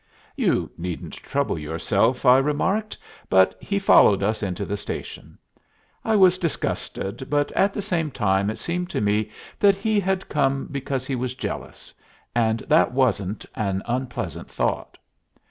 "You needn't trouble yourself," I remarked, but he followed us into the station. I was disgusted, but at the same time it seemed to me that he had come because he was jealous; and that wasn't an unpleasant thought.